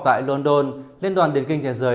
tại london liên đoàn điền kinh thế giới